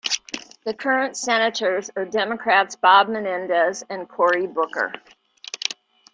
The current Senators are Democrats Bob Menendez and Cory Booker.